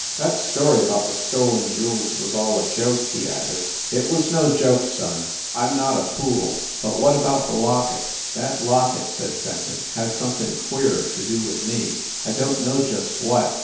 "That story about the stolen jewels was all a joke," he added. "It was no joke, son. I m not a fool. But what about the locket?" "That locket," said Fenton, "has something queer to do with me I don t know just what.